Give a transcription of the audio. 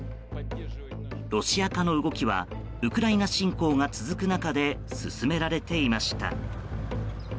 ロシア化の動きはウクライナ侵攻が続く中で進められていました。